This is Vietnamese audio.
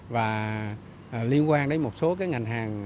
và liên quan đến một số ngành hàng